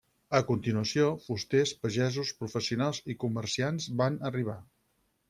A continuació fusters, pagesos, professionals i comerciants van arribar.